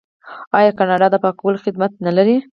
آیا کاناډا د پاکولو خدمات نلري؟